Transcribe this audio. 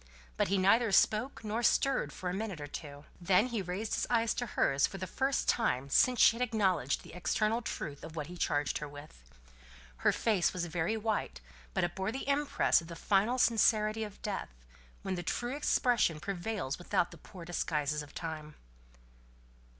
But he neither spoke nor stirred for a minute or two. Then he raised his eyes to hers for the first time since she had acknowledged the external truth of what he charged her with. Her face was very white, but it bore the impress of the final sincerity of death, when the true expression prevails without the poor disguises of time.